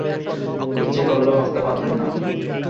ইচ্ছা করলেও আসতে পারবেন না।